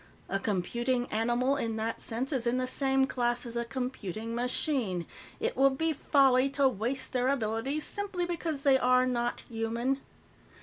"A computing animal, in that sense, is in the same class as a computing machine. It would be folly to waste their abilities simply because they are not human.